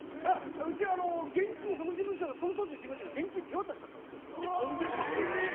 うちはその当時、事務所から現金で手渡しだったんですよ。